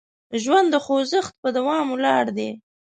ژوند د خوځښت په دوام ولاړ دی.